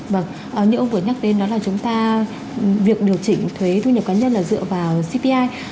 vâng như ông vừa nhắc đến đó là chúng ta việc điều chỉnh thuế thu nhập cá nhân là dựa vào cpi